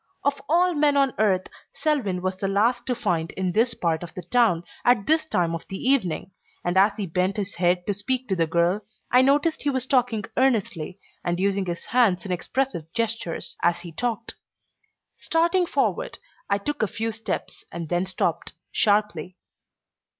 Of all men on earth, Selwyn was the last to find in this part of the town at this time of the evening, and as he bent his head to speak to the girl I noticed he was talking earnestly and using his hands in expressive gestures as he talked. Starting forward, I took a few steps and then stopped, sharply.